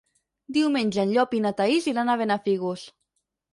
Diumenge en Llop i na Thaís iran a Benafigos.